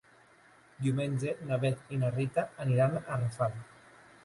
Diumenge na Bet i na Rita aniran a Rafal.